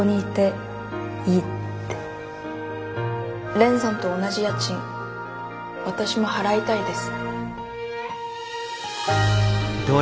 蓮さんと同じ家賃私も払いたいです。